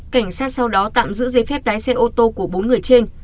cảnh sát sau đó tạm giữ giấy phép lái xe ô tô của bốn người trên